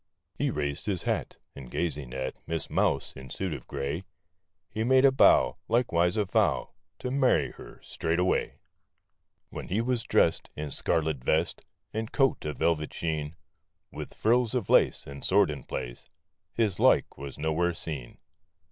He raised his hat, And gazing at Miss Mouse, in suit of gray, He made a bow, Likewise a vow To marry her straightway THE FROG AND THE MOUSE . When he was drest In scarlet vest, And coat of velvet sheen, With frills of lace, And sword in place, His like was nowhere seen.